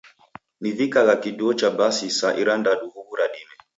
Nivikagha kiduo cha basi saa irandadu huw'u ra dime.